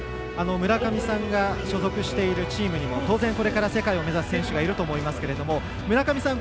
村上さんが所属しているチームにも当然、これから世界を目指す選手がいると思いますけれども村上さん